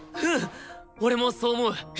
俺もそう思う！